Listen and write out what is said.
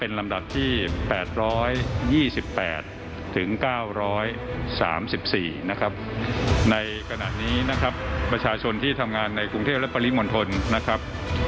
ในขณะนี้นะครับประชาชนที่ทำงานในกรุงเทพฯและปริมณฑลนะครับ